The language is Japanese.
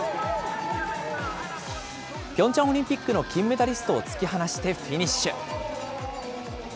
ピョンチャンオリンピックの金メダリストを突き放してフィニッシュ。